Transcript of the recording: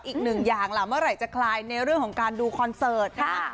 อีกหนึ่งอย่างล่ะเมื่อไหร่จะคลายในเรื่องของการดูคอนเสิร์ตค่ะ